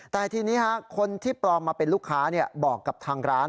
แต่ทีนี้คนที่ปลอมมาเป็นลูกค้าบอกกับทางร้าน